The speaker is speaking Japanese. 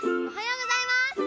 おはようございます！